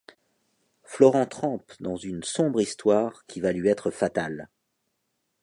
Florent trempe dans une sombre histoire qui va lui être fatale.